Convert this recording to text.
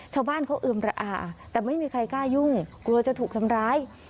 ชาวบ้านเขาเอือมระอาแต่ไม่มีใครกล้ายุ่งกลัวจะถูกทำร้าย